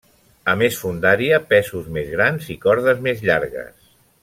A més fondària, pesos més grans i cordes més llargues.